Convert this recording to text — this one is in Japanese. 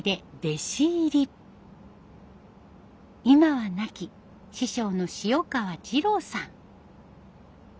今は亡き師匠の塩川二郎さん。